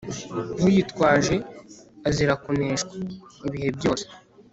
Uyitwaje azira kuneshwa ibihe byose